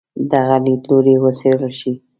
دغه لیدلوری وڅېړل شي.